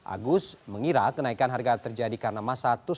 agus mengira kenaikan harga terjadi karena masa terus